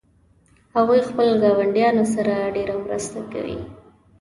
هغوی خپل ګاونډیانو سره ډیره مرسته کوي